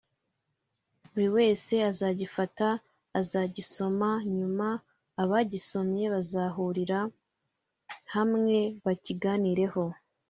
buri wese uzagifata azagisoma nyuma abagisomye bazahurira hamwe bakiganireho